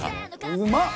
うまっ！